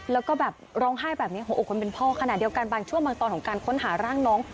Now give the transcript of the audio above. แล้วก็แบบร้องไห้แบบนี้หัวอกคนเป็นพ่อขณะเดียวกันบางช่วงบางตอนของการค้นหาร่างน้อง